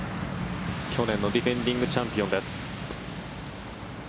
去年のディフェンディングチャンピオンです。